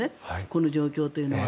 この状況というのは。